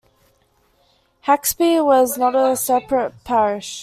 Haxby was not a separate parish.